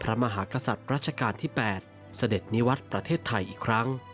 มหากษัตริย์รัชกาลที่๘เสด็จนิวัตรประเทศไทยอีกครั้ง